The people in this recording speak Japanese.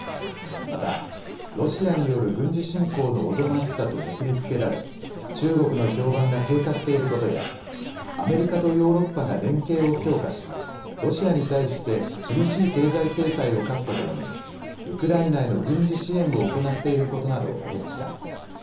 またロシアによる軍事侵攻のおぞましさと結び付けられ中国の評判が低下していることやアメリカとヨーロッパが連携を強化しロシアに対して厳しい経済制裁を科すとともにウクライナへの軍事支援を行っていることなどを挙げました。